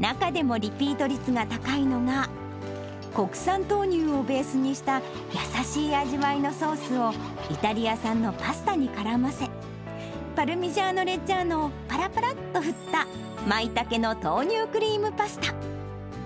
中でもリピート率が高いのが、国産豆乳をベースにした優しい味わいのソースを、イタリア産のパスタに絡ませ、パルミジャーノレッジャーノをぱらぱらっと振った、舞茸の豆乳クリームパスタ。